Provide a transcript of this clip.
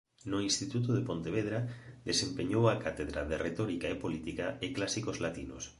No Instituto de Pontevedra desempeñou a cátedra de Retórica e Política e Clásicos latinos.